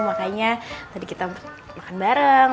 makanya tadi kita makan bareng